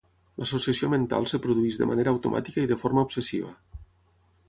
L'associació mental es produeix de manera automàtica i de forma obsessiva.